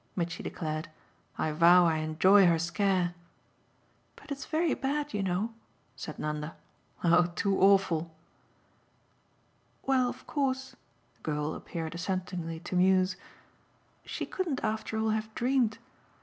Mitchy declared. "I vow I enjoy her scare." "But it's very bad, you know," said Nanda. "Oh too awful!" "Well, of course," the girl appeared assentingly to muse, "she couldn't after all have dreamed